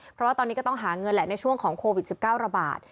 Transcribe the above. เพราะว่าตอนนี้ก็ต้องหาเงินแหละในช่วงของโควิด๑๙ระบาด